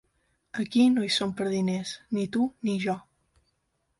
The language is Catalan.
Aquí no hi som per diners, ni tu ni jo.